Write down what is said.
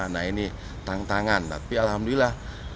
nah ini tantangan tapi alhamdulillah